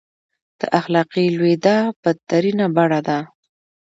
د اخلاقي لوېدا بدترینه بڼه ده.